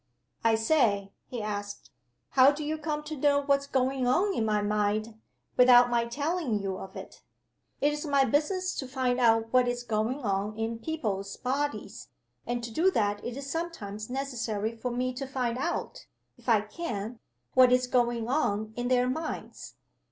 "I say," he asked, "how do you come to know what's going on in my mind without my telling you of it?" "It is my business to find out what is going on in people's bodies and to do that it is sometimes necessary for me to find out (if I can) what is going on in their minds.